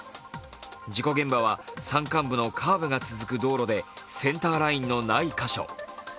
事故現場は山間部のカーブが続く道路でセンターラインのない箇所。